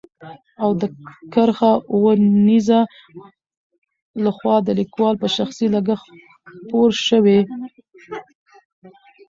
او د کرښه اوو نيزه له خوا د ليکوال په شخصي لګښت خپور شوی.